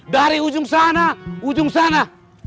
dari ujung sana ujung sana